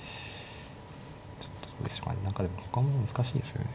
ちょっと何かでもほかも難しいですよね。